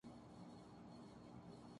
F B R افسران کے تبادلے